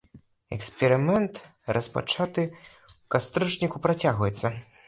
Эксперымент, распачаты ў кастрычніку, працягваецца.